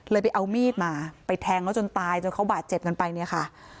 ไปเอามีดมาไปแทงเขาจนตายจนเขาบาดเจ็บกันไปเนี่ยค่ะ